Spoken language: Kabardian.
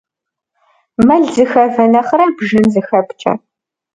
Мэл зыхэвэ нэхърэ бжэн зыхэпкӏэ.